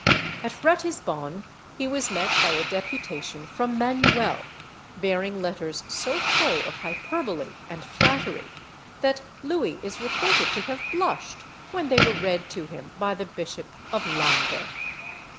At Ratisbon he was met by a deputation from Manuel, bearing letters so full of hyperbole and flattery, that Louis is reported to have blushed when they were read to him by the Bishop of Langres.